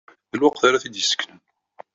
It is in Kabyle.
D lweqt ara t-id-iseknen.